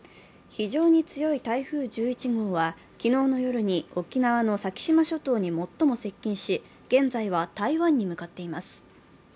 非常に強い台風１１号は昨日の夜に沖縄の先島諸島に最も接近し現在は台湾に向かっています。